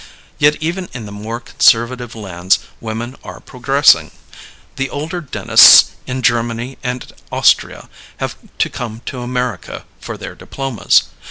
Yet even in the more conservative lands women are progressing. The older dentists in Germany and Austria had to come to America for their diplomas.